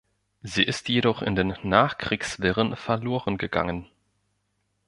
Sie ist jedoch in den Nachkriegswirren verloren gegangen.